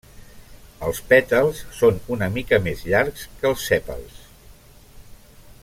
Els pètals són una mica més llargs que els sèpals.